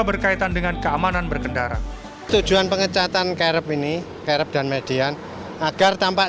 berkaitan dengan keamanan berkendara tujuan pengecatan kerep ini kerep dan median agar tampak